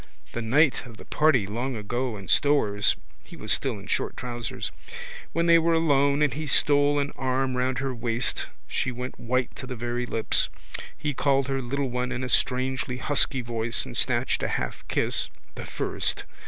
The night of the party long ago in Stoer's (he was still in short trousers) when they were alone and he stole an arm round her waist she went white to the very lips. He called her little one in a strangely husky voice and snatched a half kiss (the first!)